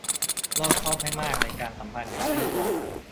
รอบคอบให้มากในการสัมพันธ์กับผู้คน